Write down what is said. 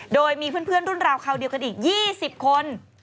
โดยมีเพื่อนรุ่นราวคราวเดียวกันอีก๒๐คน